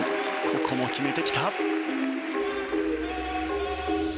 ここも決めてきた。